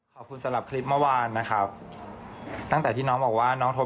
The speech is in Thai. สำหรับคลิปเมื่อวานนะครับตั้งแต่ที่น้องบอกว่าน้องโทร